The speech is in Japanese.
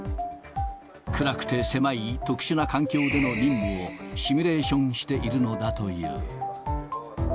暗くて狭い特殊な環境での任務をシミュレーションしているのだという。